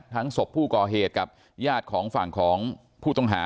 ศพผู้ก่อเหตุกับญาติของฝั่งของผู้ต้องหา